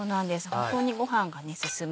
ホントにご飯が進む。